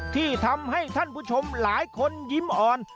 ที่ทำให้ท่านผู้ชมหลายคนยิ้มอ่อน